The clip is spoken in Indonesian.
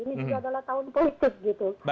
ini juga adalah tahun politik gitu